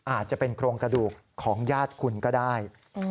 อาจจะเป็นโครงกระดูกของญาติคุณก็ได้